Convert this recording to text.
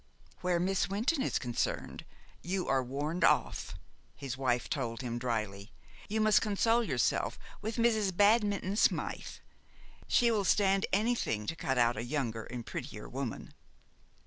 "Where Miss Wynton is concerned, you are warned off," his wife told him dryly. "You must console yourself with Mrs. Badminton Smythe. She will stand anything to cut out a younger and prettier woman."